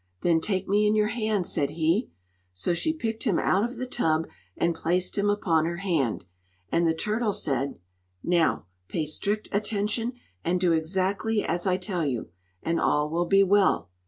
"Then take me in your hand," said he. So she picked him out of the tub and placed him upon her hand. And the turtle said: "Now pay strict attention, and do exactly as I tell you, and all will be well.